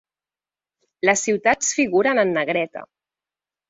Les ciutats figuren en negreta.